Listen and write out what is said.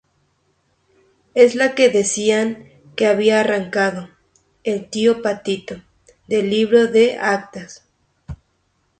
Es la que decían que había arrancado el "tío patito" del libro de Actas.